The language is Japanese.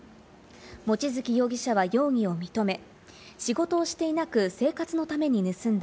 望月容疑者は容疑を認め、仕事をしていなく、生活のために盗んだ。